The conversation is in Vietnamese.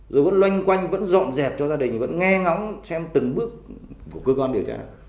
rồi vẫn loanh quanh vẫn dọn dẹp cho gia đình vẫn nghe ngóng xem từng bước của cơ quan điều tra